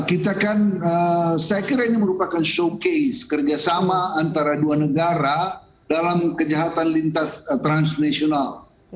kita kan saya kira ini merupakan showcase kerjasama antara dua negara dalam kejahatan lintas transnasional